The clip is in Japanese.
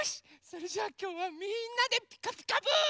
それじゃあきょうはみんなで「ピカピカブ！」。